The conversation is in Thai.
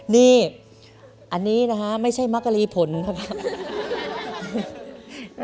นี่อันนี้นะฮะไม่ใช่มักกะลีผลนะครับ